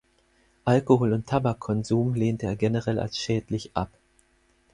Alkohol- und Tabakkonsum lehnte er generell als schädlich ab.